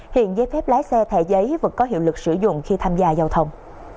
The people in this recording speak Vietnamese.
hiện giấy phép lái xe thẻ giấy vẫn có hiệu lực sử dụng khi tham gia giao thông